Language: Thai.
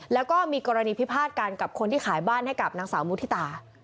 แล้วก็มีกรณีพิพาทกันกับคนที่ขายบ้านให้กับนางสาวมุฒิตา